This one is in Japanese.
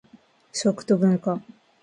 食と文化